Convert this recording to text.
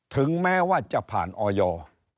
ถึงแม้ว่าจะผ่านออย